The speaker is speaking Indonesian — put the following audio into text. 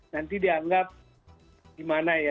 nanti dianggap gimana ya